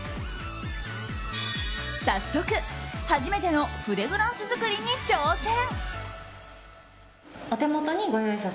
早速、初めてのフレグランス作りに挑戦。